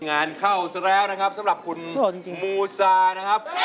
งานเข้าแล้วครับสำหรับคุณอูซาครับ